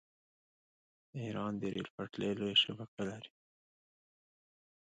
ایران د ریل پټلۍ لویه شبکه لري.